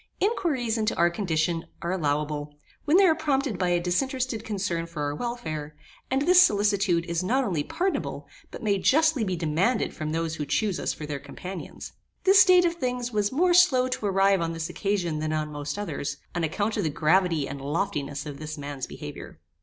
Inquiries into our condition are allowable when they are prompted by a disinterested concern for our welfare; and this solicitude is not only pardonable, but may justly be demanded from those who chuse us for their companions. This state of things was more slow to arrive on this occasion than on most others, on account of the gravity and loftiness of this man's behaviour.